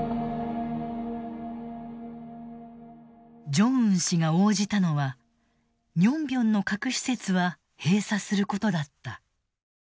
ジョンウン氏が応じたのは寧辺の核施設は閉鎖することだった。